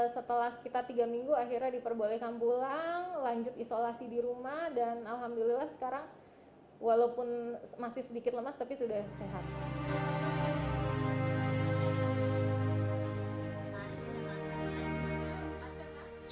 setelah sekitar tiga minggu akhirnya diperbolehkan pulang lanjut isolasi di rumah dan alhamdulillah sekarang walaupun masih sedikit lemas tapi sudah sehat